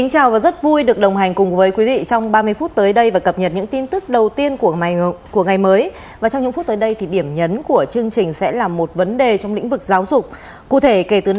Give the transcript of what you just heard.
hãy đăng ký kênh để ủng hộ kênh của chúng mình nhé